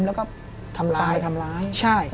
แล้วก็ทำร้าย